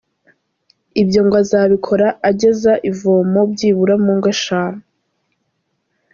Ibyo ngo azabikora ageza ivomo byibura ku ngo eshanu.